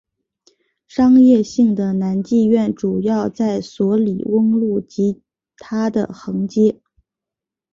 商业性的男妓院主要在素里翁路及它的横街。